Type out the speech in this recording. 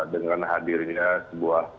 dengan hadirnya sebuah